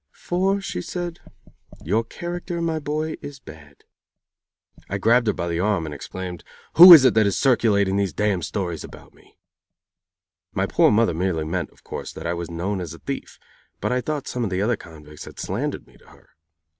"For," she said, "your character, my boy, is bad." I grabbed her by the arm and exclaimed: "Who is it that is circulating these d stories about me?" My poor mother merely meant, of course, that I was known as a thief, but I thought some of the other convicts had slandered me to her.